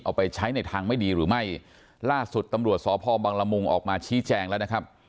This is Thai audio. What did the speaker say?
เอาไปใช้ในทางไม่ดีหรือไม่ล่าสุดตำรวจสพบังละมุงออกมาชี้แจงแล้วนะครับ